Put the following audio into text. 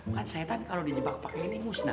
bukan setan kalau dijebak pake limus nah